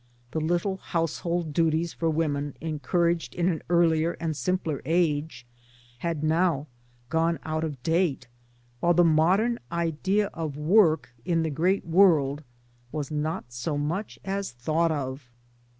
The little household duties for women, encouraged in an earlier and simpler age, had now gone out of date, while the modern idea of work in the great world was not so much as thought of.